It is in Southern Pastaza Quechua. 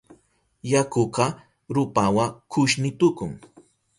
Yakuka rupawa kushni tukun.